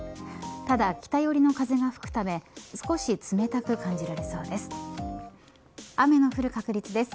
ただ北よりの風が吹くため少し冷たく感じられそうです。